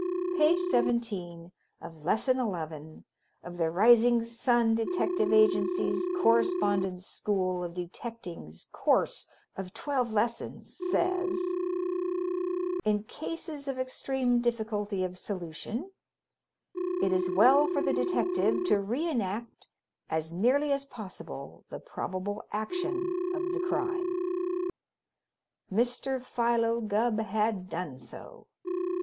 Page Seventeen of Lesson Eleven of the Rising Sun Detective Agency's Correspondence School of Detecting's Course of Twelve Lessons, says: In cases of extreme difficulty of solution it is well for the detective to reënact as nearly as possible the probable action of the crime. Mr. Philo Gubb had done so.